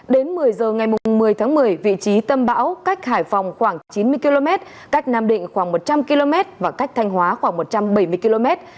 đến một mươi giờ ngày một mươi tháng một mươi vị trí tâm bão cách hải phòng khoảng chín mươi km cách nam định khoảng một trăm linh km và cách thanh hóa khoảng một trăm bảy mươi km